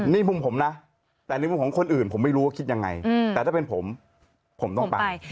นี่มุมผมนะแต่ในมุมของคนอื่นผมไม่รู้ว่าคิดยังไงแต่ถ้าเป็นผมผมต้องไป